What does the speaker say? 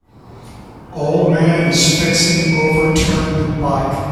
Old man is fixing overturned bike